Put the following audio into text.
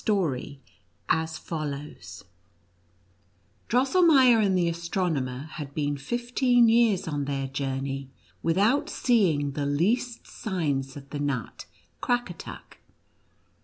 Drosselmeier and the astronomer had been fifteen years on their journey without seeing the least signs of the nut Crackatuck.